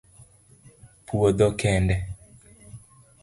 Puodho kende?